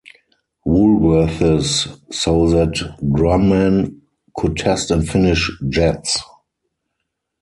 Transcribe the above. Woolworth's, so that Grumman could test and finish jets.